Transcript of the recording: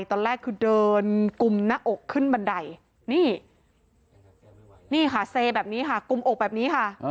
ตอนแรกคือเดินกุมหน้าอกขึ้นบันไดนี่นี่ค่ะเซแบบนี้ค่ะกุมอกแบบนี้ค่ะ